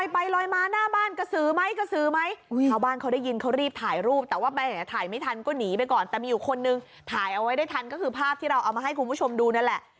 ผิวมาภาพคิงถ่ายเอาไว้ได้ทันก็คือภาพที่เราเอามาให้คุณผู้ชมดูนี่แหละ